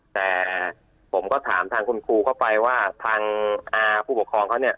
แต่ผมก็ถามทางคุณครูเข้าไปว่าทางผู้ปกครองเขาเนี่ย